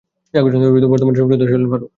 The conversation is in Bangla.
এ আসনের বর্তমান সংসদ সদস্য হলেন ফারুক।